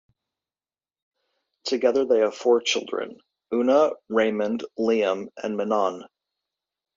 Together they have four children, Oona, Raymond, Liam and Manon.